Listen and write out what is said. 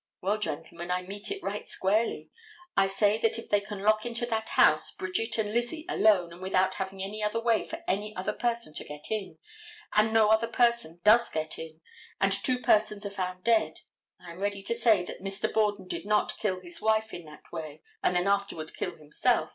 Well, gentlemen, I meet it right squarely. I say that if they can lock into that house Bridget and Lizzie alone and without having any other way for any other person to get in, and no other person does get in, and two persons are found dead, I am ready to say that Mr. Borden did not kill his wife in that way and then afterward kill himself.